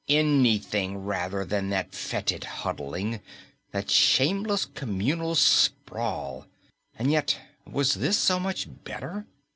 Anything rather than that fetid huddling, that shameless communal sprawl. And yet, was this so much better?